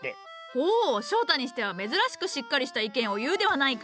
ほう翔太にしては珍しくしっかりした意見を言うではないか。